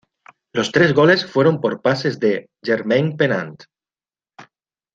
Los tres goles fueron por pases de Jermaine Pennant.